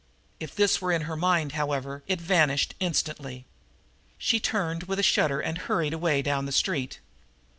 If this were in her mind, however, it vanished instantly. She turned with a shudder and hurried away down the street.